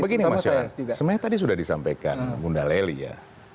sebenarnya tadi sudah disampaikan bunda leli ya